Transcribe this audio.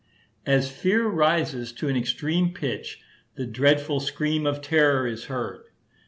As fear rises to an extreme pitch, the dreadful scream of terror is heard.